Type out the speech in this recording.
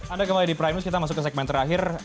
anda kembali di prime news kita masuk ke segmen terakhir